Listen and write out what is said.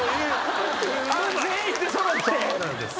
そうなんです。